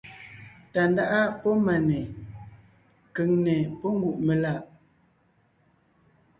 Tàndáʼa pɔ́ Máne; Kʉ̀ŋne pɔ́ Ngùʼmelaʼ.